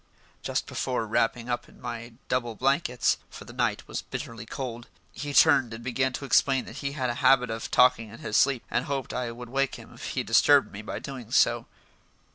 Just before wrapping up in my double blankets for the night was bitterly cold he turned and began to explain that he had a habit of talking in his sleep and hoped I would wake him if he disturbed me by doing so.